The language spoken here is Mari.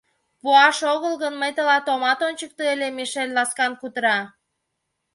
Пуаш огыл гын, мый тылат омат ончыкто ыле, — Мишель ласкан кутыра.